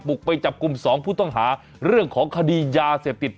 กไปจับกลุ่ม๒ผู้ต้องหาเรื่องของคดียาเสพติด